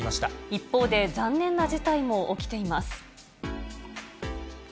一方で残念な事態も起きています。